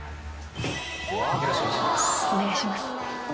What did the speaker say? お願いします。